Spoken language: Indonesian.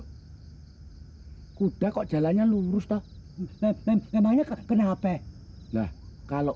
hai kuda kok jalannya lurus tak temen temennya kena apa ya nah kalau